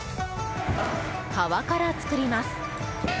皮から作ります。